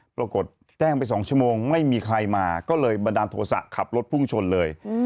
ปรากฏแจ้งไป๒ชั่วโมงไม่มีใครมาก็เลยบันดาลโทษะขับรถพุ่งชนเลย